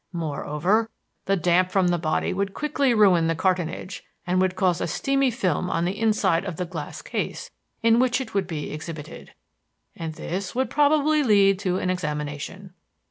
Moreover, the damp from the body would quickly ruin the cartonnage and would cause a steamy film on the inside of the glass case in which it would be exhibited. And this would probably lead to an examination.